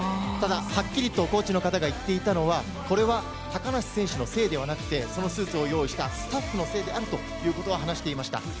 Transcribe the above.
ただ、はっきりとコーチの方が言っていたのは、これは高梨選手のせいではなくて、そのスーツを用意したスタッフのせいであるということは話していました。